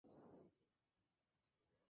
Hoy no se fía, mañana sí